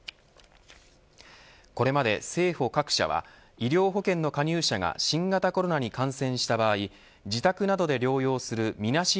これまで生保各社は医療保険の加入者が新型コロナに感染した場合自宅などで療養するみなし